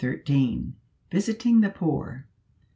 VISITING THE POOR.